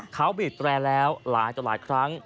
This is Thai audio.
เขาบิดแรงแล้วหลายครั้ง